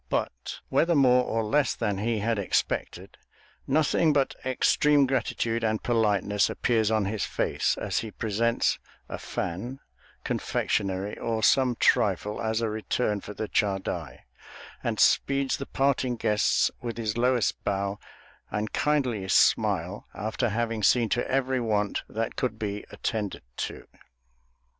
But, whether more or less than he had expected, nothing but extreme gratitude and politeness appears on his face as he presents a fan, confectionery, or some trifle, as a return for the chadai, and speeds the parting guests with his lowest bow and kindliest smile, after having seen to every want that could be attended to.